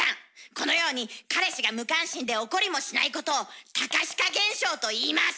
このように彼氏が無関心で怒りもしないことを「隆史化現象」といいます！